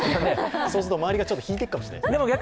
そうすると周りがちょっと引いちゃうかもしれないですよ。